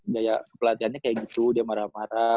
gaya pelatihannya kayak gitu dia marah marah